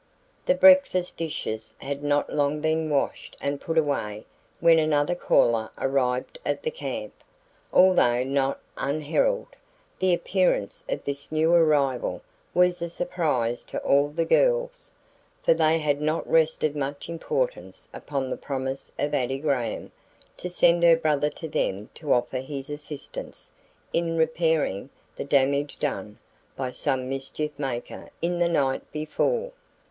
The breakfast dishes had not long been washed and put away when another caller arrived at the camp. Although not unheralded, the appearance of this new arrival was a surprise to all the girls, for they had not rested much importance upon the promise of Addie Graham to send her brother to them to offer his assistance in repairing the damage done by some mischief maker in the night before.